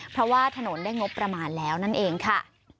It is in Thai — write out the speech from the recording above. เพราะว่าถนนได้งบประมาณแล้วนั่นเองค่ะ